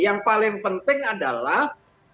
yang paling penting adalah